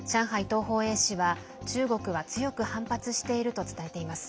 東方衛視は、中国は強く反発していると伝えています。